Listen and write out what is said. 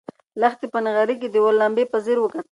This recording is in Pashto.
لښتې په نغري کې د اور لمبې په ځیر وکتلې.